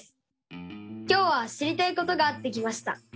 今日は知りたいことがあって来ました。